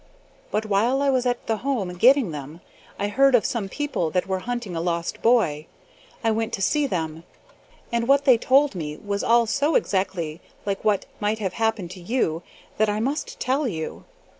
But while I was at the Home getting them, I heard of some people that were hunting a lost boy. I went to see them, and what they told me was all so exactly like what might have happened to you that I must tell you.